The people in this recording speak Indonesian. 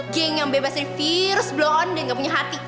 geng yang bebas dari virus blon dan gak punya hati